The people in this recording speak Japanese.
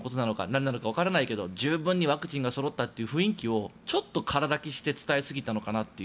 んなのかわからないけど十分にワクチンがそろったという雰囲気をちょっと空だきして伝えすぎたのかなという。